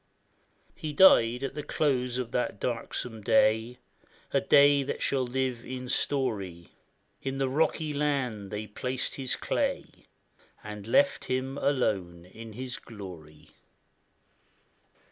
He died at the close of that darksome day, A day that shall live in story; In the rocky land they placed his clay, " And left him alone with his glory."